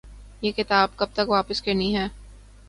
یہ کتاب کب تک واپس کرنی ہے؟